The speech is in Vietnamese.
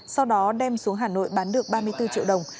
sau đó đem xuống hà nội bán được ba mươi bốn triệu đồng